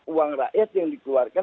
uang rakyat yang dikeluarkan